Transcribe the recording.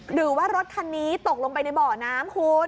หรือว่ารถคันนี้ตกลงไปในบ่อน้ำคุณ